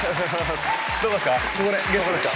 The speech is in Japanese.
どこですか？